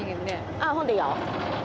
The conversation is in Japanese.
うんほんでいいよ。